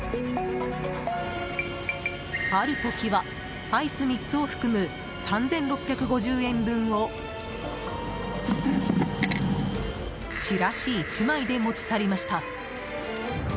ある時は、アイス３つを含む３６５０円分をチラシ１枚で持ち去りました。